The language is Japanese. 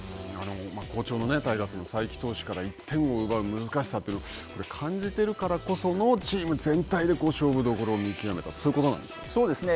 好調のタイガースの才木投手から１点を奪う難しさというのは感じてるからこそのチーム全体で勝負どころを見極めた、そういうこそうですね。